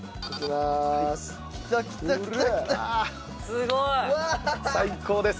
すごい！最高です！